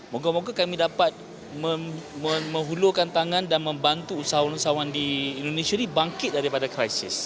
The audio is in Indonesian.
moga moga kami dapat menghulukan tangan dan membantu usahawan usahawan di indonesia ini bangkit daripada krisis